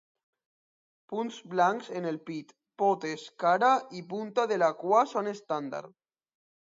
Punts blancs en el pit, potes, cara i punta de la cua són estàndard.